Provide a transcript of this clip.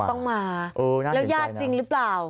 ต้องมาแล้วญาติจริงหรือเปล่า